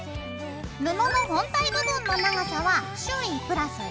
布の本体部分の長さは周囲＋４ｃｍ。